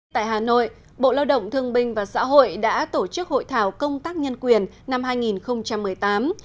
tại hà nội bộ lao động thương binh và xã hội đã tổ chức hội thảo công tác nhân quyền năm hai nghìn một mươi tám